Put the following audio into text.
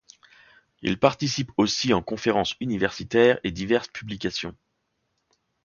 Il participe aussi en conférences universitaires et diverses publications.